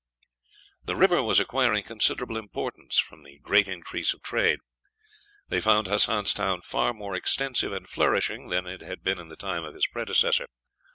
The river was acquiring considerable importance from the great increase of trade. They found Hassan's town far more extensive and flourishing than it had been in the time of its predecessor.